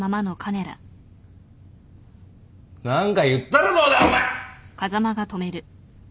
何か言ったらどうだお前！